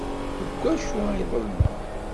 Deg wacu ay ḍelmeɣ?